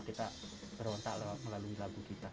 kita berontak melalui lagu kita